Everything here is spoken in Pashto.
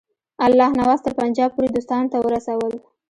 الله نواز تر پنجاب پوري دوستانو ته ورسول.